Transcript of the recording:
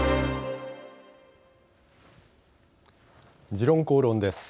「時論公論」です。